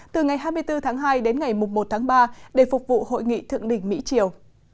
từ ngày hai mươi bốn tháng hai đến ngày một tháng ba để phục vụ hội nghị thượng đỉnh mỹ triều